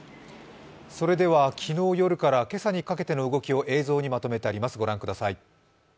それでは昨日夜から今朝にかけての動きを映像にまとめてあります、ご覧ください。